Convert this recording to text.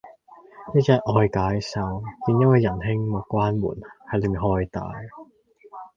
一日我去解手,見一位仁兄冇關門系裏面開大